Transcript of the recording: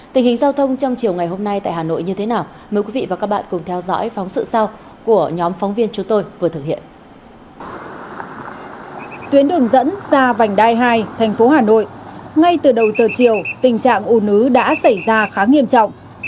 tuyến đường dẫn ra vành đai hai thành phố hà nội ngay từ đầu giờ chiều tình trạng ồn ứ đã xảy ra khá nghiêm trọng